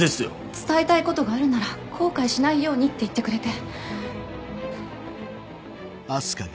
「伝えたいことがあるなら後悔しないように」って言ってくれて。